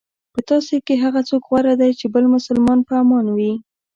په تاسو کې هغه څوک غوره دی چې بل مسلمان په امان وي.